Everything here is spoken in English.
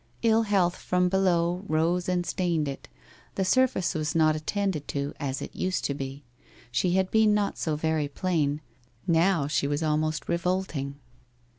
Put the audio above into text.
Ill health from below rose and stained it, the sur face was not attended to as it used to be. She had been not so very plain — now she was almost revolting.